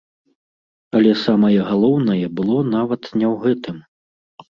Але самае галоўнае было нават не ў гэтым.